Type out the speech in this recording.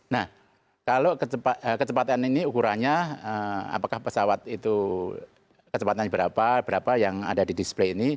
nah kalau kecepatan ini ukurannya apakah pesawat itu kecepatan berapa berapa yang ada di display ini